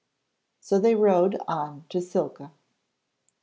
So they rowed on to Silka.